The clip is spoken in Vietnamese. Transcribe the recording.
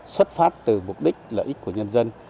xuất phát từ mục đích lợi ích của nhân dân